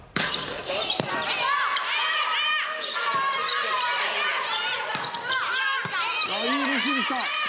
いいレシーブした。